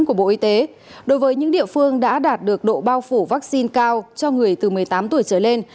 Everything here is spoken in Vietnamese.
của bộ y tế đối với những địa phương đã đạt được độ bao phủ vaccine cao cho người từ một mươi tám tuổi trở lên